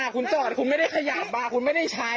คุณไม่ได้ขยาบบากคุณไม่ได้ใช้